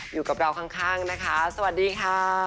อยู่กับเราข้างนะคะสวัสดีค่ะ